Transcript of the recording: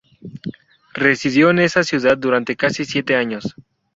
Residió en esa ciudad durante casi siete años.